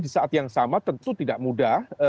di saat yang sama tentu tidak mudah